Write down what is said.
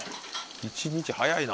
１日早いな。